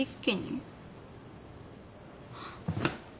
はっ。